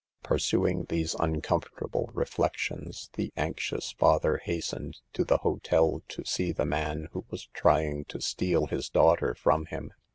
Pursuing these uncomfortable reflections, the anxious father hastened to the hotel to see the man who was trying to steal his daughter from him.